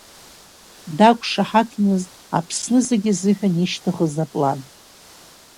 Дақәшаҳаҭмызт Аԥсны зегьы азыҳәан ишьҭыхыз аплан.